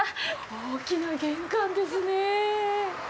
大きな玄関ですね。